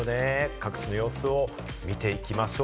各地の様子をみていきましょう。